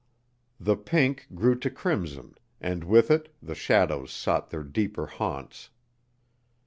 The pink grew to crimson and with it the shadows sought their deeper haunts.